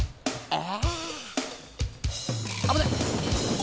ああ！